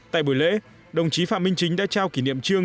tại buổi lễ đồng chí phạm minh chính đã trao kỷ niệm trương